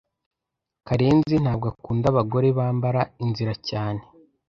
Karenzi ntabwo akunda abagore bambara inzira cyane.